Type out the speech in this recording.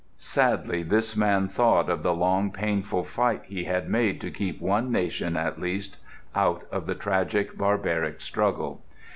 Sadly this man thought of the long painful fight he had made to keep one nation at least out of the tragic, barbaric struggle.